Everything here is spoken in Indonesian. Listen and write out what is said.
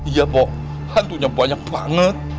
iya kok hantunya banyak banget